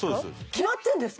決まってるんですか？